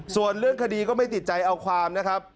ส่วนเรื่องคดีก็ไม่ติดใจเอาความนะครับ